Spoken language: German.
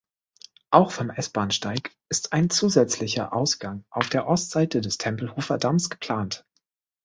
Auch vom S-Bahnsteig ist ein zusätzlicher Ausgang auf der Ostseite des Tempelhofer Damms geplant.